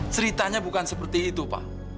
ceritanya bukan seperti itu pak